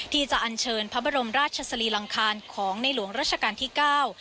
อันเชิญพระบรมราชสรีลังคารของในหลวงราชการที่เก้า